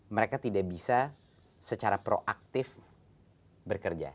mereka tidak bisa secara proaktif bekerja